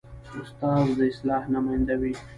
استاد د اصلاح نماینده وي.